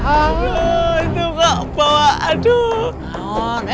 aduh itu kok bawa aduh